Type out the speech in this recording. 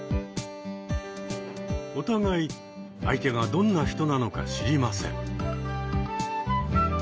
お互い相手がどんな人なのか知りません。